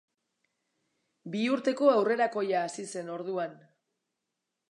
Biurteko aurrerakoia hasi zen orduan.